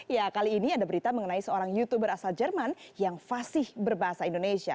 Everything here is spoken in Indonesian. ya kali ini ada berita mengenai seorang youtuber asal jerman yang fasih berbahasa indonesia